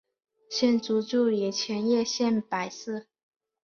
现居住于千叶县柏市。